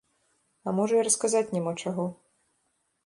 А можа і расказаць няма чаго.